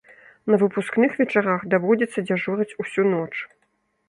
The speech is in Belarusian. На выпускных вечарах даводзіцца дзяжурыць усю ноч.